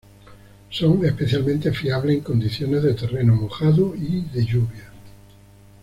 Son especialmente fiables en condiciones de terreno mojado y de lluvia.